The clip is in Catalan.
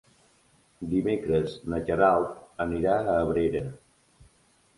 Dimecres na Queralt anirà a Abrera.